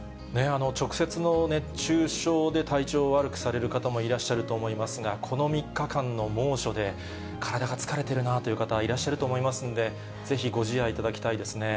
直接の熱中症で体調を悪くされる方もいらっしゃると思いますが、この３日間の猛暑で、体が疲れてるなという方、いらっしゃると思いますんで、ぜひ、ご自愛いただきたいですね。